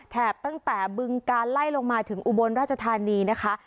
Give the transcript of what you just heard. แถบตั้งแต่บึงการไล่ลงมาถึงอุบลราชธานีนะคะ